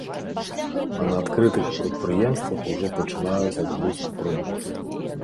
А на адкрытых прадпрыемствах ужо пачынаюць адгрузку прадукцыі.